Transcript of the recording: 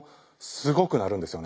すごく鳴るんですよね。